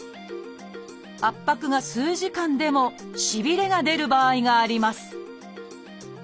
圧迫が数時間でもしびれが出る場合があります